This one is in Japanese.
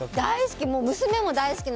大好き！